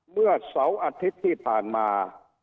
เมื่อเสาร์อาทิตย์ที่ผ่านมา